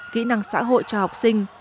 kỹ năng xã hội cho học sinh